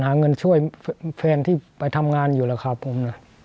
หาเงินช่วยแฟนที่ไปทำงานอยู่แล้วครับผมนะ